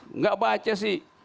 tidak baca sih